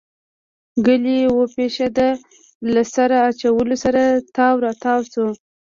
ګلی وپشېده له سر اچولو سره تاو راتاو شو.